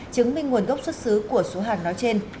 chứng minh nguồn gốc xuất xứ của số hàng nói trên